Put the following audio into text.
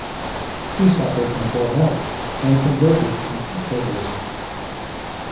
He suffered from poor health and converted to teetotalism.